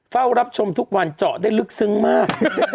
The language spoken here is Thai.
เฝ้ารับชมทุกวันเจาะได้ลึกซึ้งมาก